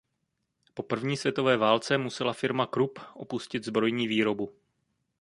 Po první světové válce musela firma Krupp opustit zbrojní výrobu.